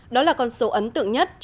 đó là con số ấn tượng nhất